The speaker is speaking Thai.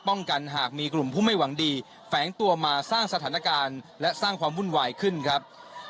กันหากมีกลุ่มผู้ไม่หวังดีแฝงตัวมาสร้างสถานการณ์และสร้างความวุ่นวายขึ้นครับ